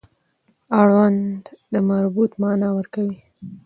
اړوند د مربوط معنا ورکوي.